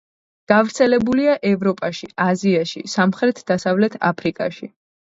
გავრცელებულია ევროპაში, აზიაში, სამხრეთ-დასავლეთ აფრიკაში.